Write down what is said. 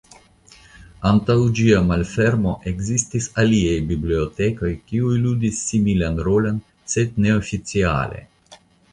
Antaŭ ĝia malfermo ekzistis aliaj bibliotekoj kiuj ludis similan rolon sed neoficiale.